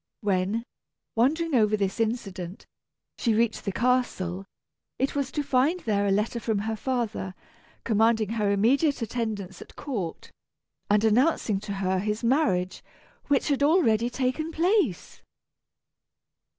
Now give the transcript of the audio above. When, wondering over this incident, she reached the castle, it was to find there a letter from her father, commanding her immediate attendance at court, and announcing to her his marriage, which had already taken place.